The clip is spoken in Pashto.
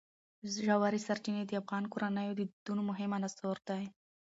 ژورې سرچینې د افغان کورنیو د دودونو مهم عنصر دی.